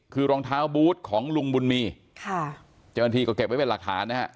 คือรองเท้าบูธของลุงบุญมีจนทีก็เก็บไว้เป็นหลักฐานนะครับ